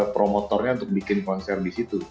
promotornya untuk bikin konser di situ